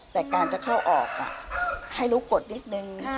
แต่การจะเข้าออกให้รู้กฎนิดนึง